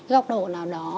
góc độ nào đó